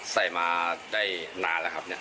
ใส่มาได้นานละครับ